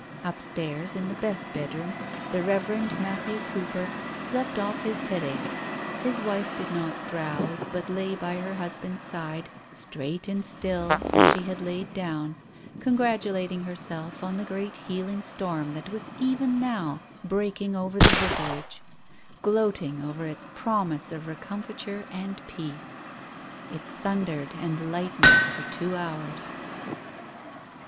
Upstairs, in the best bedroom, the Reverend Matthew Cooper slept off his headache. His wife did not drowse, but lay by her husband's side, straight and still as she had laid down, congratulating herself on the great healing storm that was even now breaking over the Vicarage, gloating over its promise of recomfiture and peace. ... It thundered and lightened for two hours.